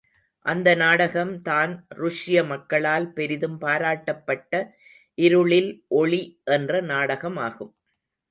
அந்த நாடகம் தான் ருஷ்ய மக்களால் பெரிதும் பாராட்டப்பட்ட இருளில் ஒளி என்ற நாடகமாகும்.